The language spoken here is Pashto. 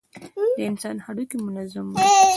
د انسان هډوکى منظم وي.